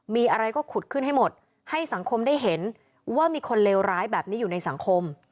มีอะไรก็ขุดขึ้นให้หมดให้สังคมได้เห็นว่ามีคนเลวร้ายแบบนี้อยู่ในสังคม